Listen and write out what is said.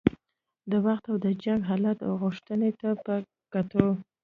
د وخت او د جنګ حالت او غوښتنې ته په کتو.